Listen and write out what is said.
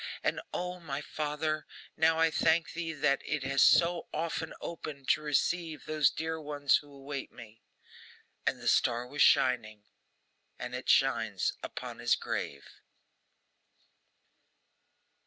And O, my Father, now I thank thee that it has so often opened, to receive those dear ones who await me!' And the star was shining; and it shines upon his grave.